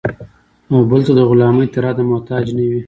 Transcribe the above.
او بل ته د غلامۍ تر حده محتاج نه وي.